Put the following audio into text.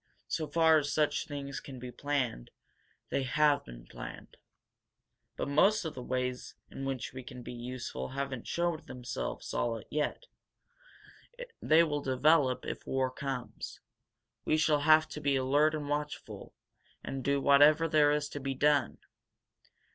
So far as such things can be planned, they have been planned. "But most of the ways in which we can be useful haven't showed themselves, at all yet. They will develop, if war comes. We shall have to be alert and watchful, and do whatever there is to be done